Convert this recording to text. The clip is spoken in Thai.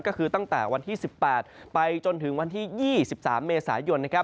ก็คือตั้งแต่วันที่๑๘ไปจนถึงวันที่๒๓เมษายน